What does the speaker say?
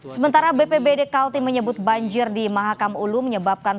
sementara bpbd kaltim menyebut banjir di mahakam ulu menyebabkan